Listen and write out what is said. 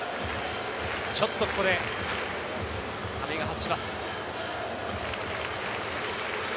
ちょっとここで亀井が外します。